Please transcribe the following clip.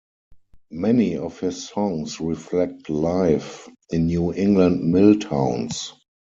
Many of his songs reflect life in New England mill towns.